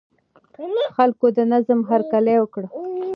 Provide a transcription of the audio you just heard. خلکو د نظام هرکلی وکړ.